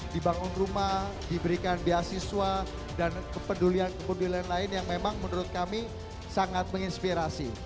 dibangun rumah diberikan beasiswa dan kepedulian kepedulian lain yang memang menurut kami sangat menginspirasi